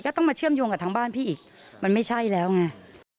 ต้องมาเชื่อมโยงกับทางบ้านพี่อีกมันไม่ใช่แล้วไง